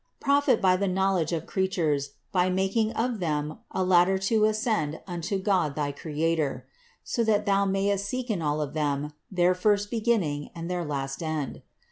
Profit by the knowledge of creatures by making of them a ladder to ascend unto God thy Creator ; so that thou mayest seek in all of them their first beginning and their last end.